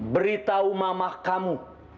beritahu mama kamu